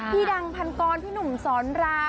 พี่ดังพันกรพี่หนุ่มสอนราม